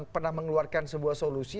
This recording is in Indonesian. pernah mengeluarkan sebuah solusi